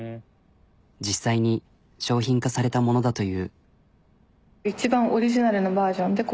実際に商品化されたものだという。